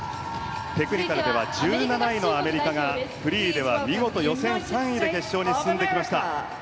テクニカルでは１７位のアメリカがフリーでは見事、予選３位で決勝に進んできました。